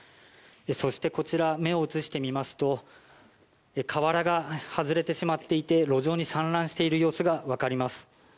そして、目を移してみますと瓦が外れてしまっていて路上に散乱している様子が分かります。